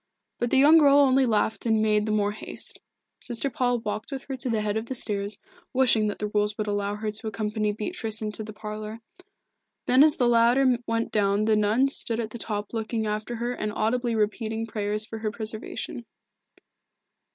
But the young girl only laughed and made the more haste. Sister Paul walked with her to the head of the stairs, wishing that the rules would allow her to accompany Beatrice into the parlour. Then as the latter went down the nun stood at the top looking after her and audibly repeating prayers for her preservation.